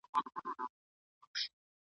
زېری به راوړي د پسرلیو .